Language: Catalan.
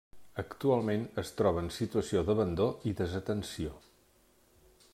Actualment es troba en situació d'abandó i desatenció.